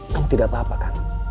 kamu tidak tahu apa apa kan